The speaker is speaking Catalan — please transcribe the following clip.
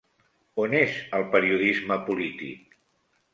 On és el periodisme polític?